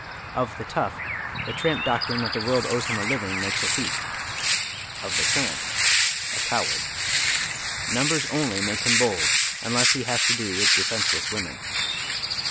Of the tough the tramp doctrine that the world owes him a living makes a thief ; of the tramp a coward. Numbers only make him bold unless he has to do with defenceless women.